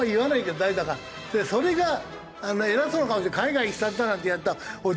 それが偉そうな顔して海外に視察だなんてやるとおい